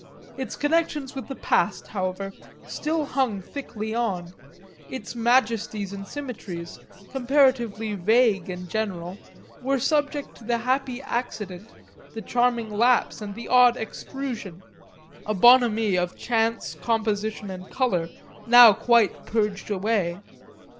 Its connections with the past, however, still hung thickly on; its majesties and symmetries, comparatively vague and general, were subject to the happy accident, the charming lapse and the odd extrusion, a bonhomie of chance composition and colour now quite purged away.